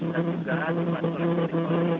di luar negeri